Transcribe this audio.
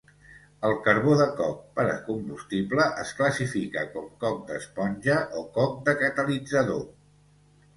El carbó de coc per combustible es classifica com coc d'esponja o coc de catalitzador.